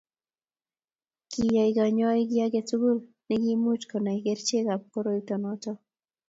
kiyai kanyoik kiy age tugul ne kiimuch kunai kerichekab koroito noto